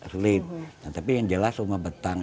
sulit nah tapi yang jelas rumah betang